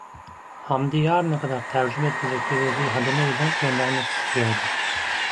Hamdi yarına kadar tercüme edilecek bir yazıyı hademe ile göndermek istiyordu.